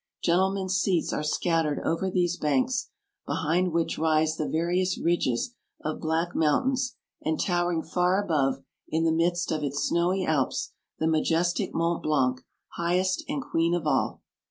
Gentlemens' seats are scattered over these banks, behind which rise the va rious ridges of black mountains, and towering far above, in the midst of its snowy Alps, the majestic Mont Blanc, highest and queen of all.